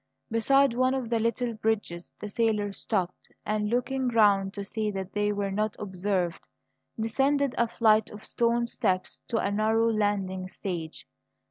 Beside one of the little bridges the sailor stopped, and, looking round to see that they were not observed, descended a flight of stone steps to a narrow landing stage.